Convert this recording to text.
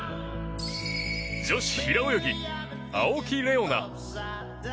女子平泳ぎ、青木玲緒樹。